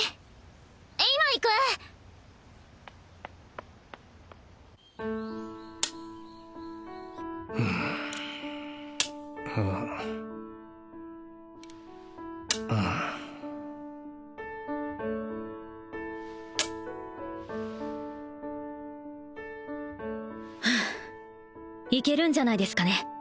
今行くふういけるんじゃないですかね